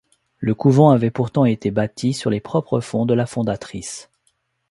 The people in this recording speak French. Le couvent avait pourtant été bâti sur les propres fonds de la fondatrice.